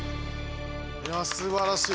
いやすばらしい。